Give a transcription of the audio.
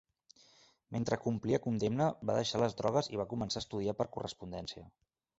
Mentre complia condemna, va deixar les drogues i va començar a estudiar per correspondència.